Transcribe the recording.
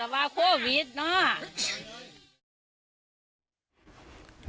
ไปไปไปเอ่อ